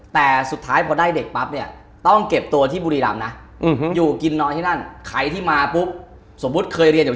แต่สุดท้ายพอได้เด็กปั๊บเนี่ยต้องเก็บตัวที่บุรีรัมป์นะ